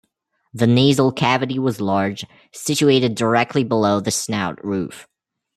The nasal cavity was large, situated directly below the snout roof.